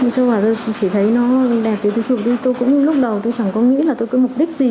tôi chỉ thấy nó đẹp tôi cũng như lúc đầu tôi chẳng có nghĩ là tôi có mục đích gì